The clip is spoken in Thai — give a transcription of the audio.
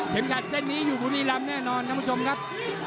เข็มขัดเส้นนี้อยู่ภูมิลำแน่นอนนะคุณผู้ชมครับ